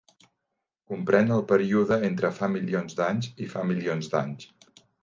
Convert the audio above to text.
Comprèn el període entre fa milions d'anys i fa milions d'anys.